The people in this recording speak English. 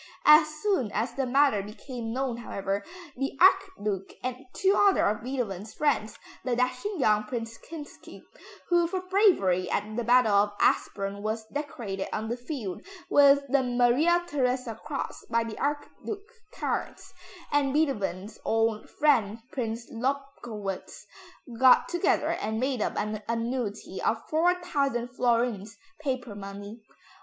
As soon as the matter became known, however, the Archduke and two other of Beethoven's friends, the dashing young Prince Kinsky (who for bravery at the battle of Aspern was decorated on the field with the Maria Theresa cross by the Archduke Charles), and Beethoven's old friend Prince Lobkowitz got together and made up an annuity of 4,000 florins, paper money.